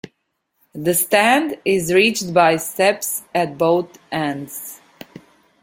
The stand is reached by steps at both ends.